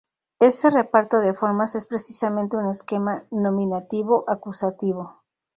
Ese reparto de formas es precisamente un esquema nominativo-acusativo.